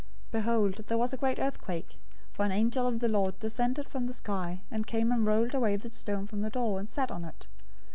028:002 Behold, there was a great earthquake, for an angel of the Lord descended from the sky, and came and rolled away the stone from the door, and sat on it.